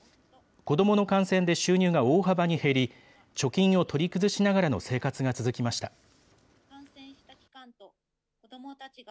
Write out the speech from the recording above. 子どもの感染で収入が大幅に減り、貯金を取り崩しながらの生活が続きました。